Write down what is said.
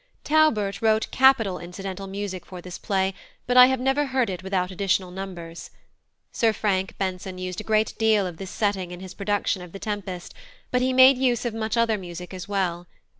+Taubert+ wrote capital incidental music for this play, but I have never heard it without additional numbers. Sir Frank Benson used a great deal of this setting in his production of The Tempest, but he made use of much other music as well.